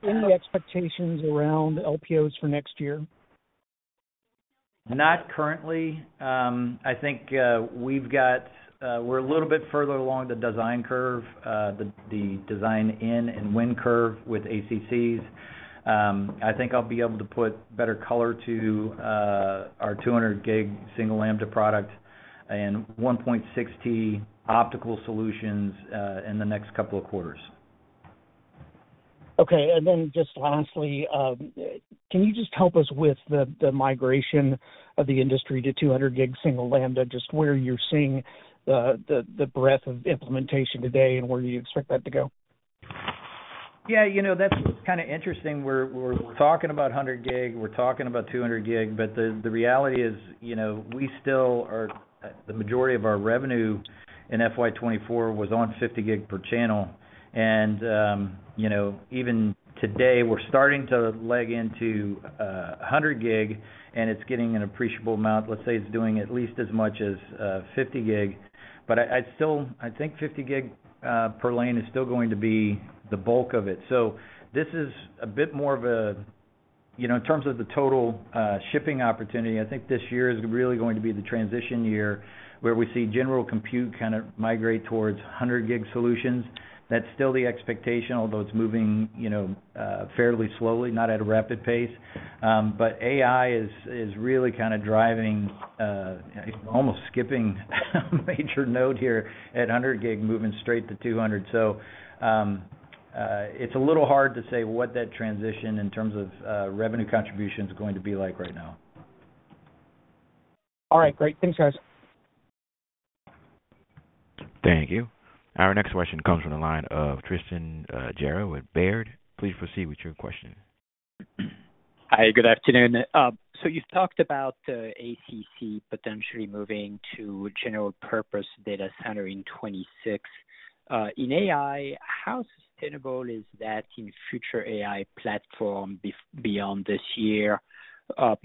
H: Any expectations around LPOs for next year?
C: Not currently. I think we've got, we're a little bit further along the design curve, the design-in and win curve with ACCs. I think I'll be able to put better color to our 200-gig single lambda product and 1.6T optical solutions in the next couple of quarters.
H: Okay, and then just lastly, can you just help us with the migration of the industry to 200-gig single lambda, just where you're seeing the breadth of implementation today, and where do you expect that to go?...
C: Yeah, you know, that's kind of interesting. We're talking about 100 gig, we're talking about 200 gig, but the reality is, you know, we still are the majority of our revenue in FY 2024 was on 50 gig per channel. And you know, even today, we're starting to leg into a 100 gig, and it's getting an appreciable amount. Let's say it's doing at least as much as 50 gig, but I'd still, I think 50 gig per lane is still going to be the bulk of it. So this is a bit more of a, you know, in terms of the total shipping opportunity, I think this year is really going to be the transition year, where we see general compute kind of migrate towards 100 gig solutions. That's still the expectation, although it's moving, you know, fairly slowly, not at a rapid pace. But AI is, is really kind of driving, almost skipping a major node here at 100 gig, moving straight to 200. So, it's a little hard to say what that transition in terms of, revenue contribution is going to be like right now.
H: All right, great. Thanks, guys.
A: Thank you. Our next question comes from the line of Tristan Gerra with Baird. Please proceed with your question.
I: Hi, good afternoon. So you've talked about ACC potentially moving to general purpose data center in 2026. In AI, how sustainable is that in future AI platform beyond this year?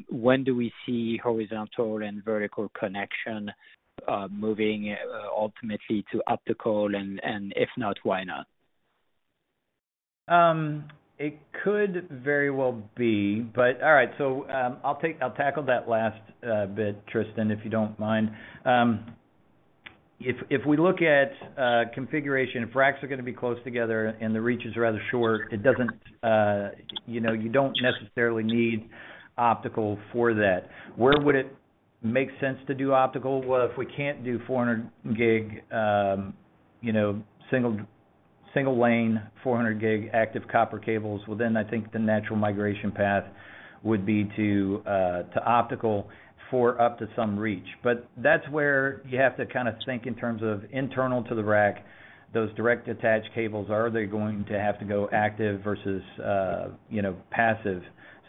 I: When do we see horizontal and vertical connection moving ultimately to optical? And if not, why not?
C: It could very well be, but—all right, so, I'll tackle that last bit, Tristan, if you don't mind. If we look at configuration, if racks are going to be close together and the reach is rather short, it doesn't, you know, you don't necessarily need optical for that. Where would it make sense to do optical? Well, if we can't do 400 gig, you know, single, single lane, 400 gig active copper cables, well, then I think the natural migration path would be to to optical for up to some reach. But that's where you have to kind of think in terms of internal to the rack, those direct attached cables, are they going to have to go active versus, you know, passive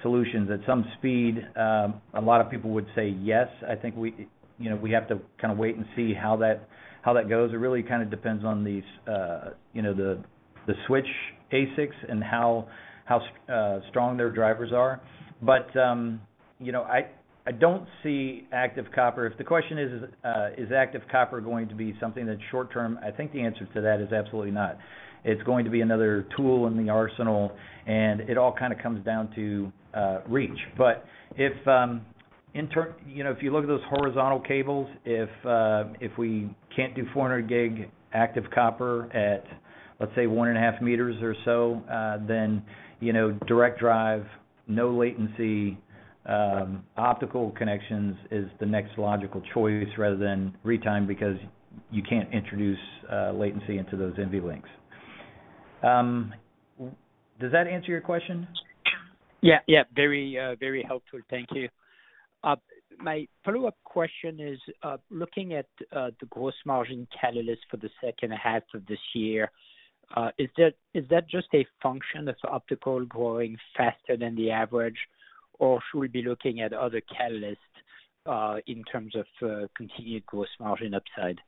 C: solutions? At some speed, a lot of people would say, yes, I think we, you know, we have to kind of wait and see how that goes. It really kind of depends on these, you know, the switch ASICs and how strong their drivers are. But, you know, I, I don't see active copper. If the question is, is active copper going to be something that's short term? I think the answer to that is absolutely not. It's going to be another tool in the arsenal, and it all kind of comes down to reach. But if, in turn, you know, if you look at those horizontal cables, if we can't do 400G active copper at, let's say, 1.5 meters or so, then, you know, direct drive, no latency, optical connections is the next logical choice rather than retime, because you can't introduce latency into those NVLinks. Does that answer your question?
I: Yeah, yeah, very, very helpful. Thank you. My follow-up question is, looking at the gross margin catalyst for the second half of this year, is that, is that just a function of optical growing faster than the average, or should we be looking at other catalysts in terms of continued gross margin upside?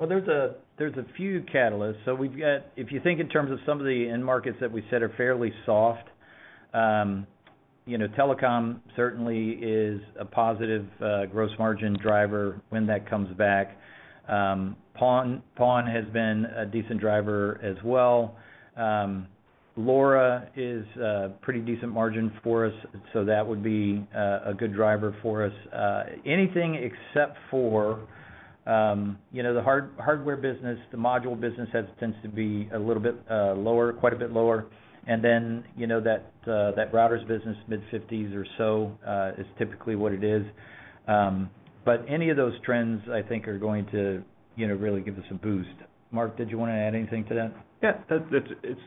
C: Well, there's a few catalysts. So we've got, if you think in terms of some of the end markets that we said are fairly soft, you know, telecom certainly is a positive, gross margin driver when that comes back. PON, PON has been a decent driver as well. LoRa is a pretty decent margin for us, so that would be, a good driver for us. Anything except for, you know, the hardware business, the module business tends to be a little bit, lower, quite a bit lower. And then, you know, that, that router's business, mid-fifties or so, is typically what it is. But any of those trends, I think, are going to, you know, really give us a boost. Mark, did you want to add anything to that?
B: Yeah, it's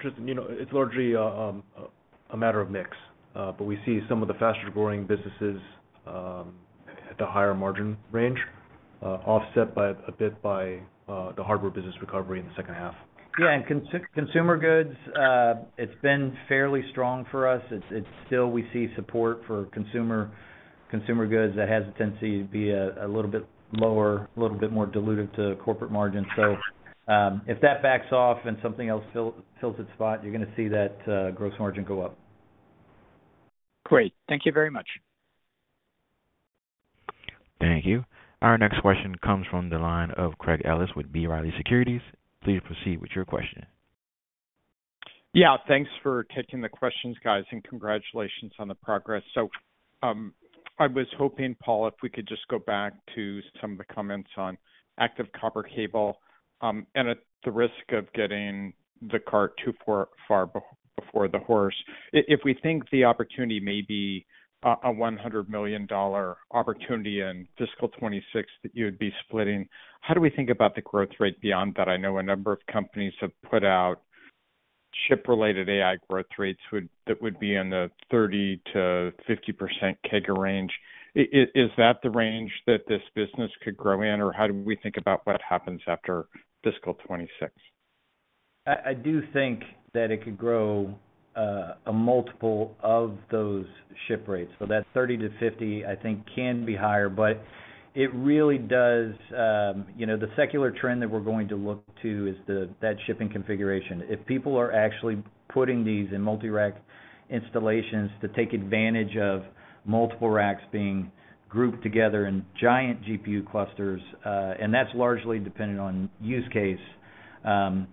B: just, you know, it's largely a matter of mix. But we see some of the faster-growing businesses at the higher margin range, offset by a bit by the hardware business recovery in the second half.
C: Yeah, and consumer goods, it's been fairly strong for us. It's still we see support for consumer goods. That has a tendency to be a little bit lower, a little bit more diluted to corporate margin. So, if that backs off and something else fills its spot, you're gonna see that gross margin go up.
I: Great. Thank you very much.
A: Thank you. Our next question comes from the line of Craig Ellis with B. Riley Securities. Please proceed with your question.
J: Yeah, thanks for taking the questions, guys, and congratulations on the progress. So, I was hoping, Paul, if we could just go back to some of the comments on active copper cable, and at the risk of getting the cart too far before the horse. If we think the opportunity may be a $100 million opportunity in fiscal 2026, that you would be splitting, how do we think about the growth rate beyond that? I know a number of companies have put out ship-related AI growth rates that would be in the 30%-50% CAGR range. Is that the range that this business could grow in? Or how do we think about what happens after fiscal 2026?
C: I do think that it could grow a multiple of those ship rates. So that 30-50, I think, can be higher, but it really does, you know, the secular trend that we're going to look to is that shipping configuration. If people are actually putting these in multi-rack installations to take advantage of multiple racks being grouped together in giant GPU clusters, and that's largely dependent on use case,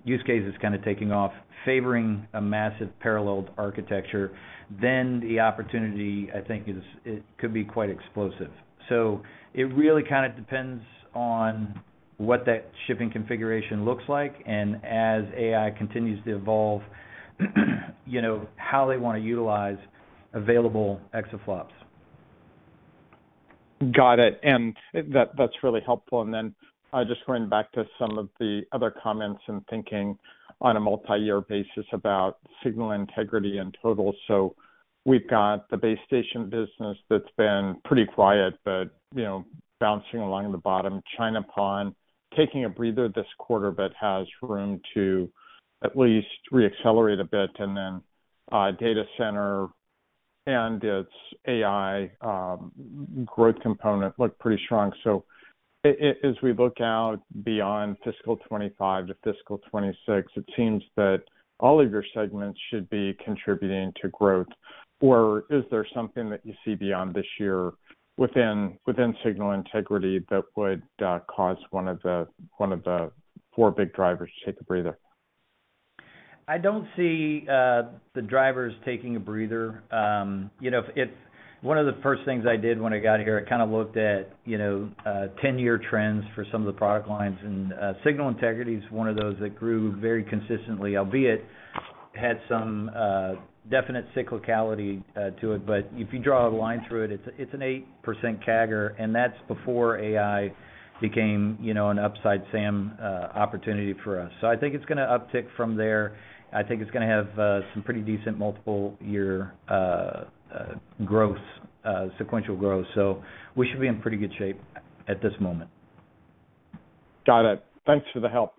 C: use case is kind of taking off, favoring a massive paralleled architecture, then the opportunity, I think, is, it could be quite explosive. So it really kind of depends on what that shipping configuration looks like, and as AI continues to evolve, you know, how they want to utilize available exaflops.
J: Got it. And that, that's really helpful. And then, just going back to some of the other comments and thinking on a multi-year basis about signal integrity and total. So we've got the base station business that's been pretty quiet but, you know, bouncing along the bottom. China PON, taking a breather this quarter, but has room to at least reaccelerate a bit, and then, data center and its AI, growth component look pretty strong. So as we look out beyond fiscal 2025 to fiscal 2026, it seems that all of your segments should be contributing to growth. Or is there something that you see beyond this year, within, within signal integrity that would, cause one of the, one of the four big drivers to take a breather?
C: I don't see the drivers taking a breather. You know, one of the first things I did when I got here, I kind of looked at, you know, 10-year trends for some of the product lines, and signal integrity is one of those that grew very consistently, albeit had some definite cyclicality to it. But if you draw a line through it, it's an 8% CAGR, and that's before AI became, you know, an upside SAM opportunity for us. So I think it's going to uptick from there. I think it's going to have some pretty decent multiple year growth sequential growth. So we should be in pretty good shape at this moment.
J: Got it. Thanks for the help.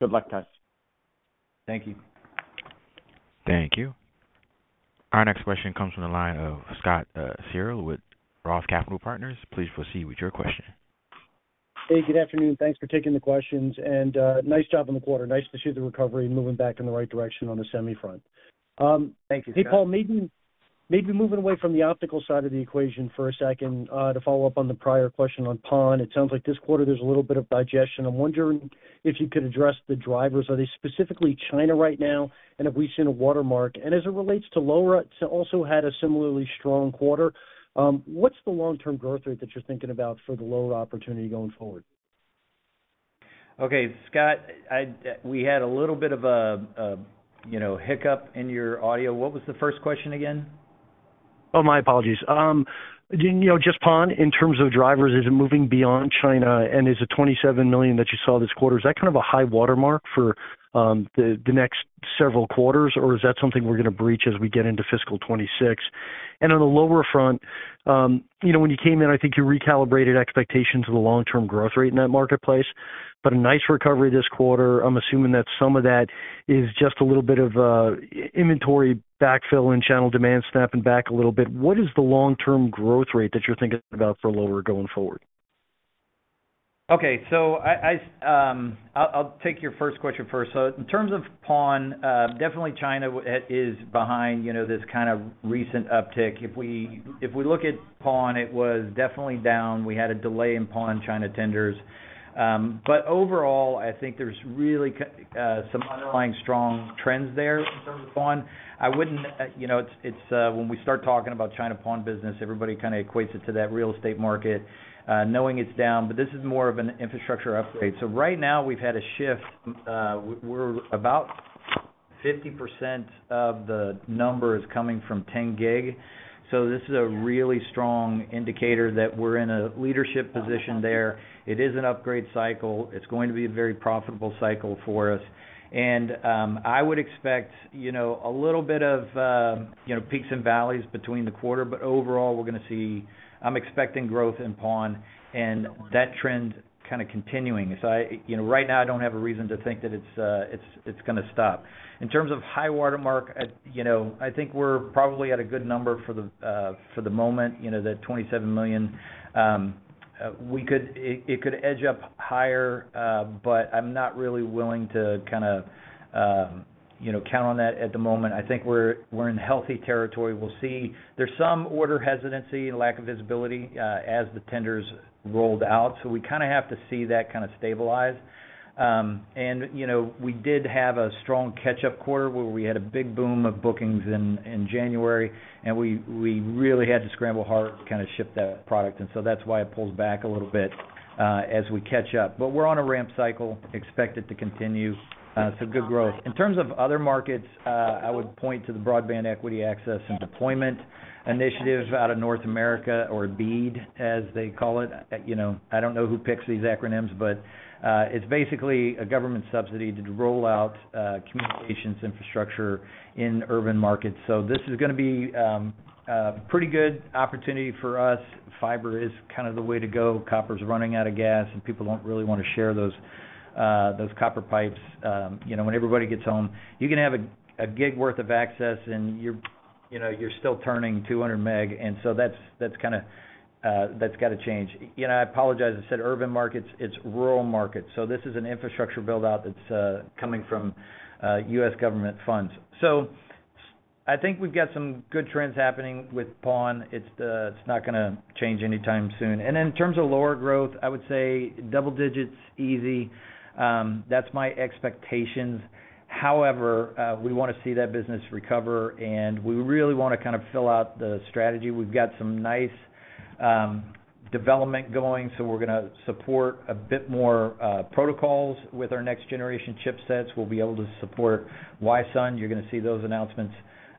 J: Good luck, guys.
C: Thank you.
A: Thank you. Our next question comes from the line of Scott Searle with Roth MKM. Please proceed with your question.
K: Hey, good afternoon, and thanks for taking the questions. Nice job on the quarter. Nice to see the recovery moving back in the right direction on the semi front.
C: Thank you, Scott.
K: Hey, Paul, maybe, maybe moving away from the optical side of the equation for a second, to follow up on the prior question on PON. It sounds like this quarter there's a little bit of digestion. I'm wondering if you could address the drivers. Are they specifically China right now, and have we seen a watermark? And as it relates to LoRa, it's also had a similarly strong quarter. What's the long-term growth rate that you're thinking about for the LoRa opportunity going forward?
C: Okay, Scott, we had a little bit of a, you know, hiccup in your audio. What was the first question again?
K: Oh, my apologies. You know, just PON, in terms of drivers, is it moving beyond China, and is the $27 million that you saw this quarter, is that kind of a high watermark for the next several quarters, or is that something we're going to breach as we get into fiscal 2026? And on the lower front, you know, when you came in, I think you recalibrated expectations of the long-term growth rate in that marketplace, but a nice recovery this quarter. I'm assuming that some of that is just a little bit of inventory backfill and channel demand snapping back a little bit. What is the long-term growth rate that you're thinking about for lower going forward?
C: Okay. I'll take your first question first. So in terms of PON, definitely China is behind, you know, this kind of recent uptick. If we look at PON, it was definitely down. We had a delay in PON, China tenders. But overall, I think there's really some underlying strong trends there in terms of PON. I wouldn't, you know, it's when we start talking about China PON business, everybody kind of equates it to that real estate market, knowing it's down, but this is more of an infrastructure upgrade. So right now we've had a shift. We're about 50% of the numbers coming from 10-gig. So this is a really strong indicator that we're in a leadership position there. It is an upgrade cycle. It's going to be a very profitable cycle for us. I would expect, you know, a little bit of, you know, peaks and valleys between the quarter, but overall, we're going to see. I'm expecting growth in PON, and that trend kind of continuing. I, you know, right now, I don't have a reason to think that it's going to stop. In terms of high watermark, I, you know, I think we're probably at a good number for the, for the moment, you know, that $27 million. We could, it could edge up higher, but I'm not really willing to kind of, you know, count on that at the moment. I think we're in healthy territory. We'll see. There's some order hesitancy and lack of visibility, as the tenders rolled out, so we kind of have to see that kind of stabilize. And, you know, we did have a strong catch-up quarter, where we had a big boom of bookings in January, and we really had to scramble hard to kind of ship that product, and so that's why it pulls back a little bit, as we catch up. But we're on a ramp cycle, expect it to continue, so good growth. In terms of other markets, I would point to the Broadband Equity, Access and Deployment initiatives out of North America, or BEAD, as they call it. You know, I don't know who picks these acronyms, but it's basically a government subsidy to roll out communications infrastructure in urban markets. So this is going to be a pretty good opportunity for us. Fiber is kind of the way to go. Copper's running out of gas, and people don't really want to share those copper pipes. You know, when everybody gets home, you can have a gig worth of access, and you know, you're still turning 200 meg, and so that's kinda gotta change. You know, I apologize, I said urban markets, it's rural markets. So this is an infrastructure build-out that's coming from U.S. government funds. So I think we've got some good trends happening with PON. It's not gonna change anytime soon. And then, in terms of lower growth, I would say double digits, easy. That's my expectations. However, we wanna see that business recover, and we really wanna kind of fill out the strategy. We've got some nice development going, so we're gonna support a bit more protocols with our next generation chipsets. We'll be able to support Wi-SUN. You're gonna see those announcements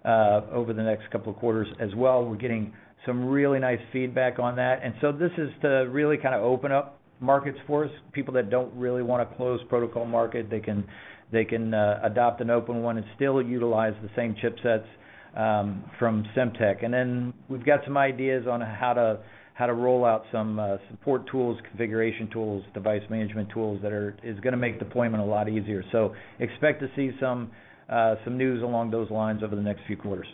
C: over the next couple of quarters as well. We're getting some really nice feedback on that. And so this is to really kind of open up markets for us. People that don't really want a closed protocol market, they can, they can, adopt an open one and still utilize the same chipsets from Semtech. And then, we've got some ideas on how to, how to roll out some support tools, configuration tools, device management tools that is gonna make deployment a lot easier. So expect to see some news along those lines over the next few quarters.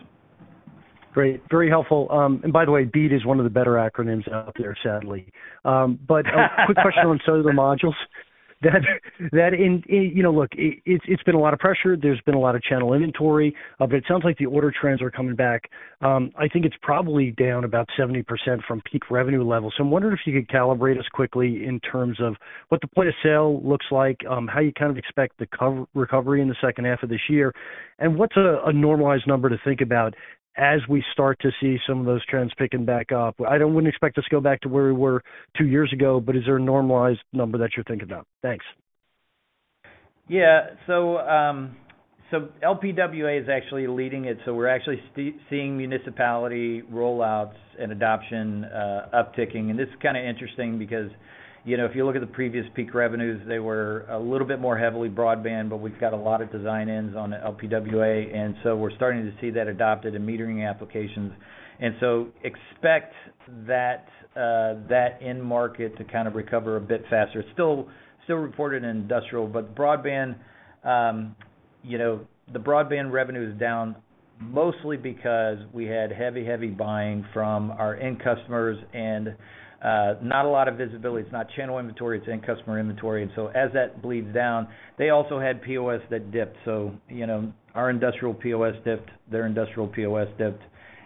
K: Great, very helpful. And by the way, BEAD is one of the better acronyms out there, sadly. But a quick question on some of the modules. You know, look, it's been a lot of pressure, there's been a lot of channel inventory, but it sounds like the order trends are coming back. I think it's probably down about 70% from peak revenue levels. So I'm wondering if you could calibrate us quickly in terms of what the point-of-sale looks like, how you kind of expect the recovery in the second half of this year, and what's a normalized number to think about as we start to see some of those trends picking back up? I wouldn't expect us to go back to where we were two years ago, but is there a normalized number that you're thinking of? Thanks.
C: Yeah. So, so LPWA is actually leading it, so we're actually seeing municipality rollouts and adoption upticking. And this is kinda interesting because, you know, if you look at the previous peak revenues, they were a little bit more heavily broadband, but we've got a lot of design-ins on the LPWA, and so we're starting to see that adopted in metering applications. And so expect that that end market to kind of recover a bit faster. Still, still reported in industrial, but broadband, you know, the broadband revenue is down mostly because we had heavy, heavy buying from our end customers and not a lot of visibility. It's not channel inventory, it's end customer inventory. And so as that bleeds down, they also had POS that dipped. So, you know, our industrial POS dipped, their industrial POS dipped,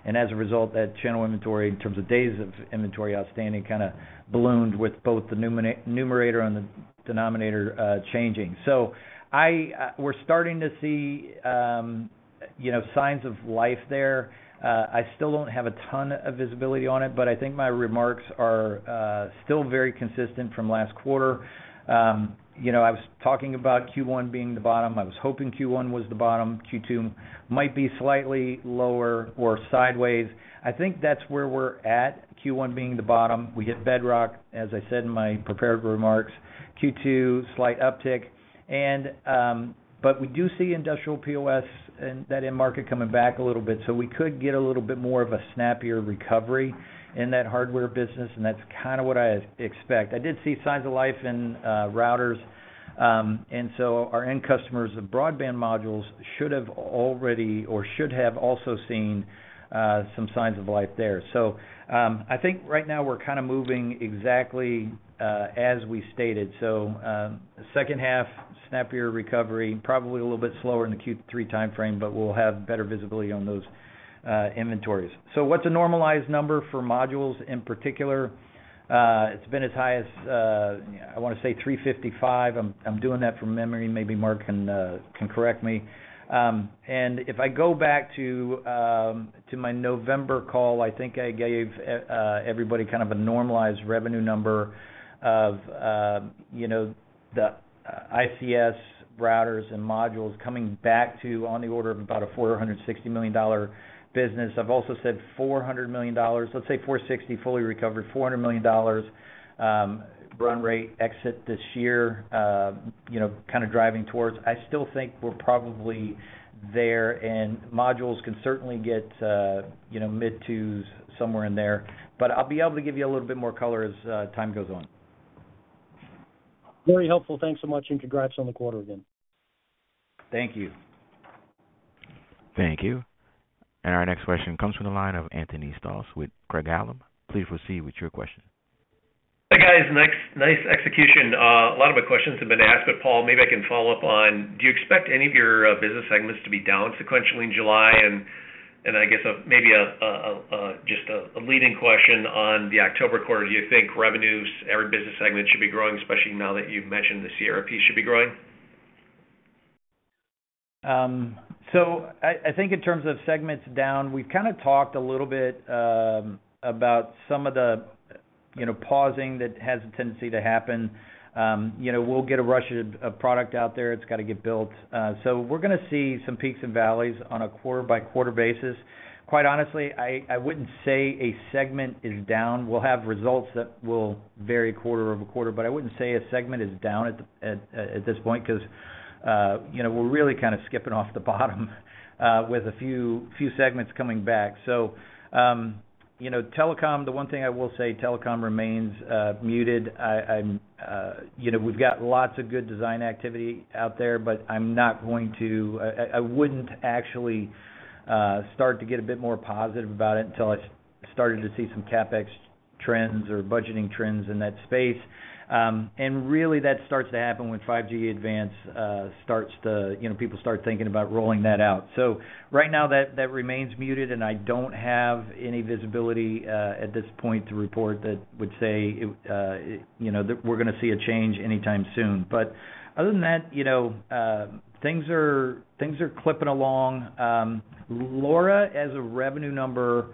C: and as a result, that channel inventory, in terms of days of inventory outstanding, kinda ballooned with both the numerator and the denominator changing. So, I... We're starting to see, you know, signs of life there. I still don't have a ton of visibility on it, but I think my remarks are still very consistent from last quarter. You know, I was talking about Q1 being the bottom. I was hoping Q1 was the bottom. Q2 might be slightly lower or sideways. I think that's where we're at, Q1 being the bottom. We hit bedrock, as I said in my prepared remarks, Q2, slight uptick, and, but we do see industrial POS and that end market coming back a little bit, so we could get a little bit more of a snappier recovery in that hardware business, and that's kind of what I expect. I did see signs of life in, routers, and so our end customers of broadband modules should have already or should have also seen, some signs of life there. So, I think right now we're kinda moving exactly, as we stated. So, second half, snappier recovery, probably a little bit slower in the Q3 timeframe, but we'll have better visibility on those, inventories. So what's a normalized number for modules in particular? It's been as high as, I wanna say 355. I'm doing that from memory. Maybe Mark can correct me. And if I go back to my November call, I think I gave everybody kind of a normalized revenue number of, you know, the ICS routers and modules coming back to on the order of about a $460 million business. I've also said $400 million, let's say $460, fully recovered, $400 million, run rate exit this year, you know, kind of driving towards. I still think we're probably there, and modules can certainly get to, you know, mid-$200s, somewhere in there, but I'll be able to give you a little bit more color as time goes on.
K: Very helpful. Thanks so much, and congrats on the quarter again.
C: Thank you.
A: Thank you. Our next question comes from the line of Anthony Stoss with Craig-Hallum. Please proceed with your question.
L: Hey, guys. Nice, nice execution. A lot of the questions have been asked, but Paul, maybe I can follow up on, do you expect any of your business segments to be down sequentially in July? And I guess, maybe just a leading question on the October quarter. Do you think revenues, every business segment should be growing, especially now that you've mentioned the CRP should be growing?
C: So I, I think in terms of segments down, we've kinda talked a little bit about some of the, you know, pausing that has a tendency to happen. You know, we'll get a rush of product out there. It's gotta get built. So we're gonna see some peaks and valleys on a quarter-by-quarter basis. Quite honestly, I, I wouldn't say a segment is down. We'll have results that will vary quarter-over-quarter, but I wouldn't say a segment is down at this point, 'cause you know, we're really kind of skipping off the bottom with a few segments coming back. So you know, telecom, the one thing I will say, telecom remains muted. I'm you know, we've got lots of good design activity out there, but I'm not going to... I wouldn't actually start to get a bit more positive about it until I started to see some CapEx trends or budgeting trends in that space. And really, that starts to happen when 5G Advanced starts to, you know, people start thinking about rolling that out. So right now, that remains muted, and I don't have any visibility at this point to report that would say, you know, that we're gonna see a change anytime soon. But other than that, you know, things are clipping along. LoRa as a revenue number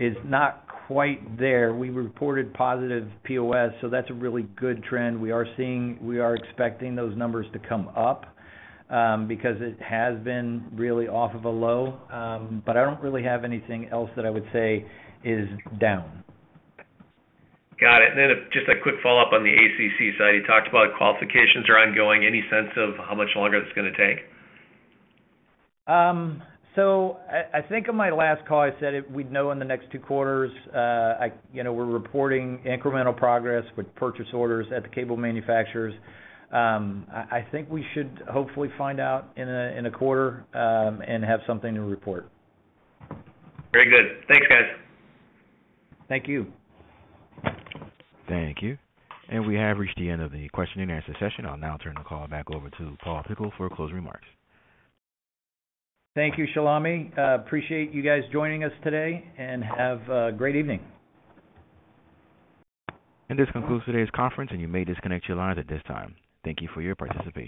C: is not quite there. We reported positive POS, so that's a really good trend. We are expecting those numbers to come up, because it has been really off of a low, but I don't really have anything else that I would say is down.
L: Got it. And then just a quick follow-up on the ACC side. You talked about qualifications are ongoing. Any sense of how much longer it's gonna take?
C: So I think on my last call, I said it, we'd know in the next two quarters. You know, we're reporting incremental progress with purchase orders at the cable manufacturers. I think we should hopefully find out in a quarter, and have something to report.
L: Very good. Thanks, guys.
C: Thank you.
A: Thank you. We have reached the end of the question-and-answer session. I'll now turn the call back over to Paul Pickle for closing remarks.
C: Thank you, Salame. Appreciate you guys joining us today, and have a great evening.
A: This concludes today's conference, and you may disconnect your lines at this time. Thank you for your participation.